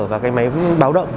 và cái máy báo động